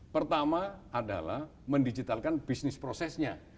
pertama adalah mendigitalkan bisnis prosesnya